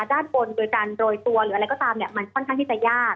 ด้านบนโดยการโรยตัวหรืออะไรก็ตามมันค่อนข้างที่จะยาก